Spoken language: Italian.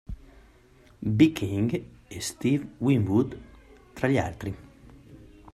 B. King, e Steve Winwood tra gli altri.